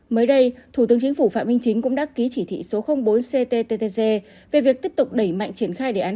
mới đây thủ tướng chính phủ phạm minh chính cũng đã ký chỉ thị số bốn cttg về việc tiếp tục đẩy mạnh triển khai đề án